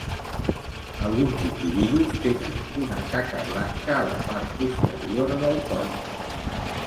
Alguns individus tenen una taca blanca a la part posterior del coll.